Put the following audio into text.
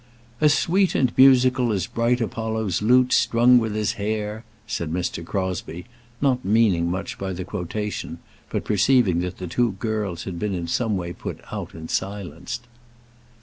"'As sweet and musical as bright Apollo's lute, strung with his hair,'" said Mr. Crosbie, not meaning much by the quotation, but perceiving that the two girls had been in some way put out and silenced.